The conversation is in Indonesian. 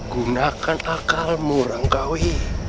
gunakan akalmu rangkawi